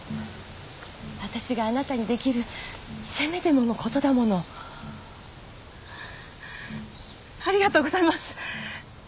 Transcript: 私があなたにできるせめてものことだありがとうございます！